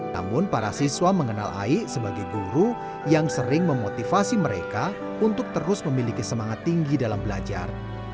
namun para siswa mengenal ai sebagai guru yang sering memotivasi mereka untuk terus memiliki semangat tinggi dalam belajar